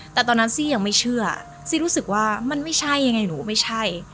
แต่ตอนนั้นซี่ยังไม่เชื่อซี่รู้สึกว่ามันไม่ใช่ยังไงหนูไม่ใช่